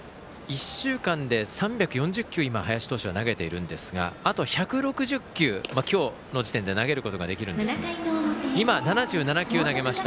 １週間で３４０球林投手は投げているんですがあと１６０球、今日の時点で投げることができるんですが今、７７球、投げました。